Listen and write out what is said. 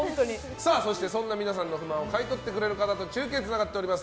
そしてそんな皆さんの不満を解決してくださる方と中継つながっております。